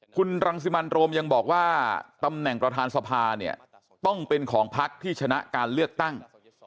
คุณรังสิมันโรมยังบอกว่าตำแหน่งประธานสภาเนี่ยต้องเป็นของพักที่ชนะการเลือกตั้ง